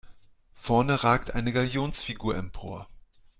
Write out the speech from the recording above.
Vorne ragt eine Galionsfigur empor.